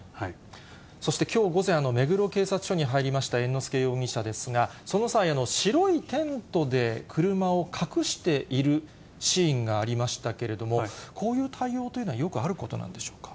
そしてきょう午前、目黒警察署に入りました猿之助容疑者ですが、その際、白いテントで車を隠しているシーンがありましたけれども、こういう対応というのはよくあることなんでしょうか。